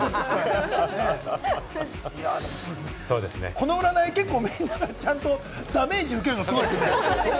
この占い、結構みんなダメージ受けるのすごいですね。